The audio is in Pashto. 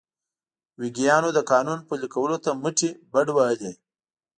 ویګیانو د قانون پلي کولو ته مټې بډ وهلې.